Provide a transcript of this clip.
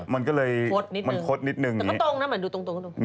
มันก็เลยคดนิดนึงแต่มันตรงนะเหมือนดูตรง